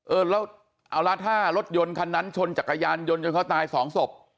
เออแล้วเอาละถ้ารถยนต์คันนั้นชนจักรยานยนต์จนเขาตายสองศพ